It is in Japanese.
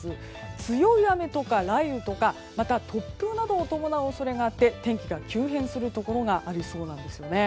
強い雨とか雷雨とかまた、突風などを伴う恐れがあって天気が急変するところがありそうなんですね。